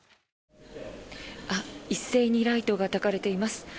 一斉にライトがたかれています。